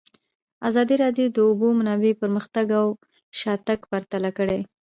ازادي راډیو د د اوبو منابع پرمختګ او شاتګ پرتله کړی.